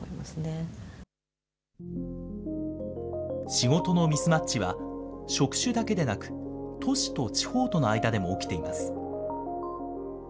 仕事のミスマッチは職種だけでなく、都市と地方との間でも起きています。